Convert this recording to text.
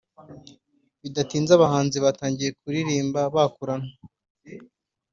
Bidatinze abahanzi batangiye kuririmba bakuranwa